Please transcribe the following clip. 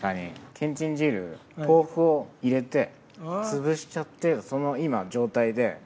けんちん汁豆腐を入れて潰しちゃってその今状態で。